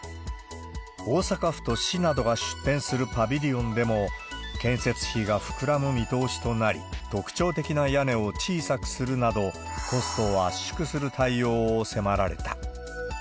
大阪府と市などが出展するパビリオンでも、建設費が膨らむ見通しとなり、特徴的な屋根を小さくするなど、コストを圧縮する対応を迫られた。